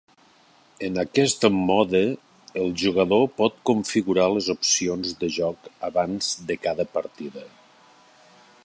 En aquest mode, el jugador pot configurar les opcions de joc abans de cada partida.